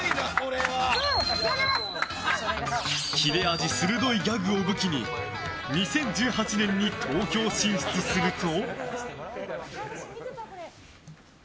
切れ味鋭いギャグを武器に２０１８年に東京進出すると。